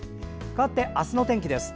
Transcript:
かわって明日の天気です。